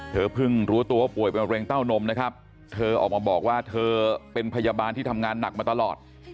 เธอเพิ่งรู้ตัวว่าป่วยเป็นมะเร็งเต้านมนะครับเธอออกมาบอกว่าเธอเป็นพยาบาลที่ทำงานหนักมาตลอด